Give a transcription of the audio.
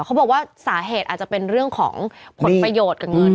เขาบอกว่าสาเหตุอาจจะเป็นเรื่องของผลประโยชน์กับเงิน